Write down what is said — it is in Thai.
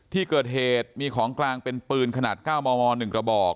ที่เกิดเหตุมีของกลางเป็นปืนขนาด๙มม๑กระบอก